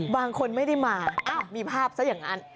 บางคนไม่ได้มามีภาพซะอย่างนั้น